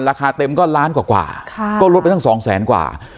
ราคาเต็มก็ล้านกว่าก็ลดไปตั้งสองแสนกว่า